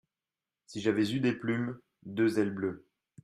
Si j’avais eu des plumes, deux ailes bleues.